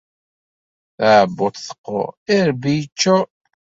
Taɛebbuḍt teqqur, irebbi yeččur.